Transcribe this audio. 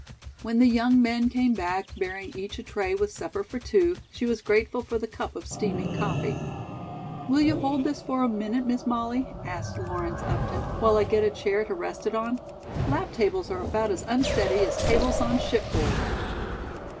When the young men came back bearing each a tray with supper for two, she was grateful for the cup of steaming coffee. "Will you hold this for a minute, Miss Molly," asked Lawrence Upton, "while I get a chair to rest it on? Lap tables are about as unsteady as tables on shipboard."